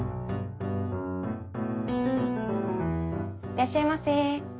いらっしゃいませ。